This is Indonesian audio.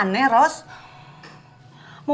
kamu teh nanya sama emak